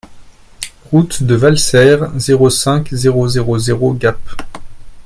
Route de Valserres, zéro cinq, zéro zéro zéro Gap